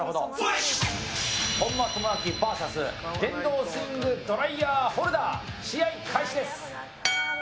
本間朋晃ＶＳ電動スイングドライヤーホルダー試合開始です！